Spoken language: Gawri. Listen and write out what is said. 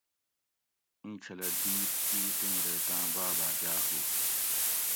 اینچھلہ دِیت دِیت اوں ریتاۤں باۤ باۤجاۤ ہُو